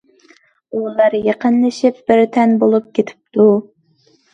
ئۇلار يېقىنلىشىپ بىر تەن بولۇپ كېتىپتۇ.